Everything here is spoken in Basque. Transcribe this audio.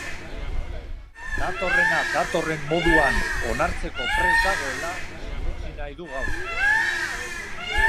Datorrena datorren moduan onartzeko prest dagoela sinetsi nahi du gaur.